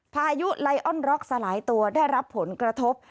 พายุไลออนร็อกสลายตัวได้รับผลกระทบ